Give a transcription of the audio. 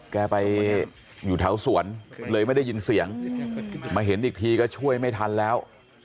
แกไปอยู่แถวสวนเลยไม่ได้ยินเสียงมาเห็นอีกทีก็ช่วยไม่ทันแล้ว